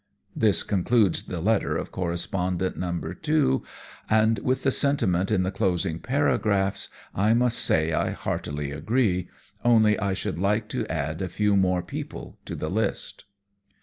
This concludes the letter of correspondent No. 2, and with the sentiment in the closing paragraphs I must say I heartily agree only I should like to add a few more people to the list.